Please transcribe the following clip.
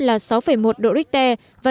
là sáu một độ richter và